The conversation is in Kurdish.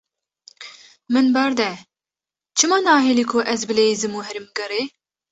Min berde, çima nahîlî ku ez bileyzim û herim gerê?